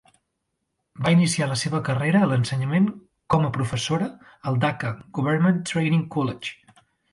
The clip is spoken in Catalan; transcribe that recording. Va iniciar la seva carrera a l'ensenyament como a professor al Dacca Government Training College.